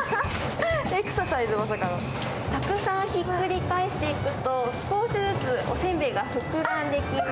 たくさんひっくり返していくと少しずつおせんべいが膨らんでいきます。